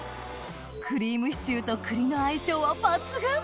クリームシチューと栗の相性は抜群！